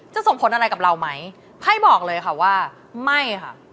ส่งผลอะไรกับเราไหมไพ่บอกเลยค่ะว่าไม่ค่ะ